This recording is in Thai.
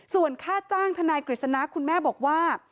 ส่วนค่าจ้างทนายกฤษณะคุณแม่บอกว่า